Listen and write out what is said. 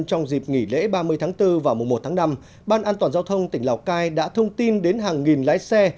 trong dịp nghỉ lễ ba mươi tháng bốn và mùa một tháng năm ban an toàn giao thông tỉnh lào cai đã thông tin đến hàng nghìn lái xe